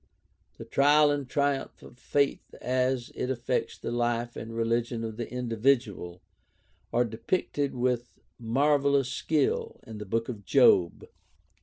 The trial and triumph of faith as it affects the life and religion of the indi vidual are depicted with marvelous skill in the Book of Job.